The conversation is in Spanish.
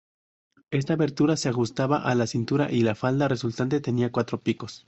Esta abertura se ajustaba a la cintura y la falda resultante tenía cuatro picos.